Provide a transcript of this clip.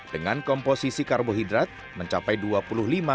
dengan komposisi kualitas pisang matang lebih kualitas